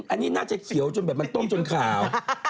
อันนี้น่าจะเขียวจนแบบมันต้มจนขาว